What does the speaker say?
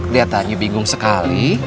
liat aja bingung sekali